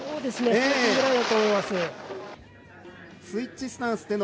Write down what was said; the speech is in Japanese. スイッチスタンス。